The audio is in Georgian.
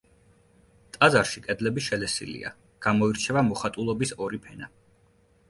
ტაძარში კედლები შელესილია, გამოირჩევა მოხატულობის ორი ფენა.